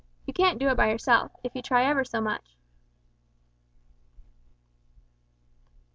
You can't do it by yourself, if you try ever so much."